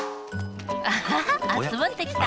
アハハあつまってきた！